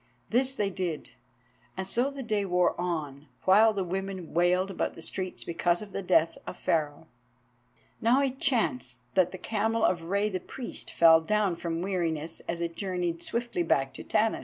This they did, and so the day wore on, while the women wailed about the streets because of the death of Pharaoh. Now it chanced that the camel of Rei the Priest fell down from weariness as it journeyed swiftly back to Tanis.